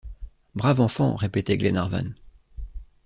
Brave enfant! répétait Glenarvan.